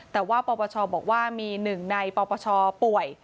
แต่ว่าปปชบอกว่ามีหนึ่งในปปชป่วย